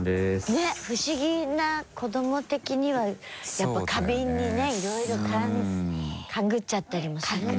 ねぇ不思議なこども的にはやっぱ過敏にねいろいろ勘ぐっちゃったりもするのね。